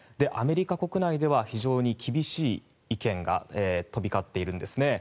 アメリカ国内では非常に厳しい意見が飛び交っているんです。